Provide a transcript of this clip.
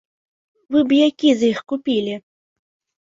Вы б які з іх купілі?